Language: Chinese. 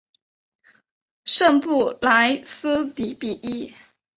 圣布莱斯迪比伊。